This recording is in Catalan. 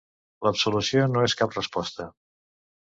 L'absolució no és cap resposta.